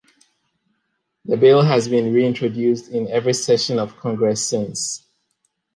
The bill has been reintroduced in every session of Congress since.